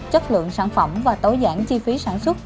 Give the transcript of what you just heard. chất lượng sản phẩm và tối giản chi phí sản xuất